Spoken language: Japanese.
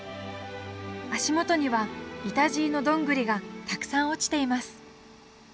足元にはイタジイのどんぐりがたくさん落ちています